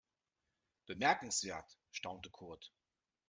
Bemerkenswert, staunte Kurt.